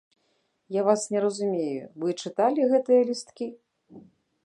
Я вас не разумею, вы чыталі гэтыя лісткі?